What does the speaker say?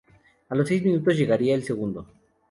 A los seis minutos llegaría el segundo.